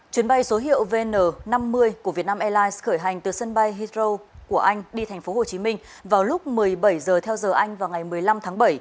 chuyến bay số hiệu vn năm mươi của vietnam airlines khởi hành từ sân bay hydro của anh đi tp hcm vào lúc một mươi bảy h theo giờ anh vào ngày một mươi năm tháng bảy